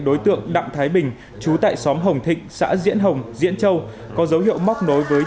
đối tượng đặng thái bình chú tại xóm hồng thịnh xã diễn hồng diễn châu có dấu hiệu móc nối với